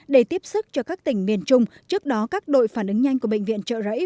để tiếp sức cho các tỉnh miền trung trước đó các đội phản ứng nhanh của bệnh viện trợ rẫy